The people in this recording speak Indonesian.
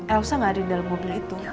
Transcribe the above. elsa nggak ada di dalam mobil itu